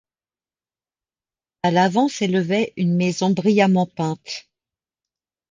À l’avant s’élevait une maison brillamment peinte.